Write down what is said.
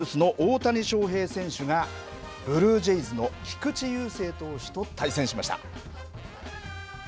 大リーグ・エンジェルスの大谷翔平選手が、ブルージェイズの菊池雄星投手と対戦しました。